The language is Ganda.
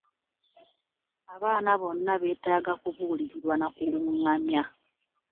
Abaana bonna betaga kubulirirwa na kulungamya.